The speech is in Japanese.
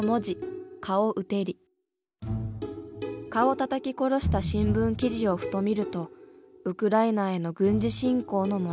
蚊をたたき殺した新聞記事をふと見ると「ウクライナへの軍事侵攻」の文字。